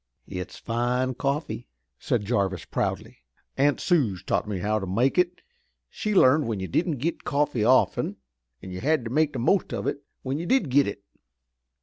"It's fine coffee," said Jarvis proudly. "Aunt Suse taught me how to make it. She learned, when you didn't git coffee often, an' you had to make the most of it when you did git it."